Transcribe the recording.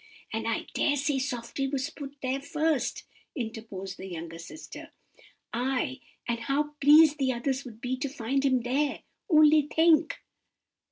"'And I dare say Softy was put there first,' interposed the younger sister. "'Ay, and how pleased the others would be to find him there! Only think!